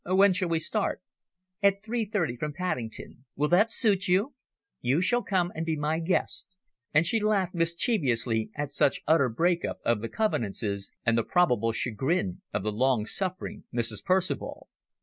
"When shall we start?" "At three thirty from Paddington. Will that suit you? You shall come and be my guest." And she laughed mischievously at such utter break up of the convenances and the probable chagrin of the long suffering Mrs. Percival.